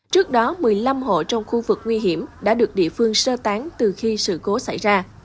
trước đó một mươi năm hộ trong khu vực nguy hiểm đã được địa phương sơ tán từ khi sự cố xảy ra